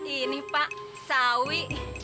ini pak sawi